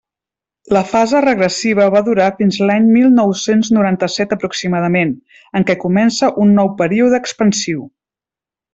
La fase regressiva va durar fins a l'any mil nou-cents noranta-set aproximadament, en què comença un nou període expansiu.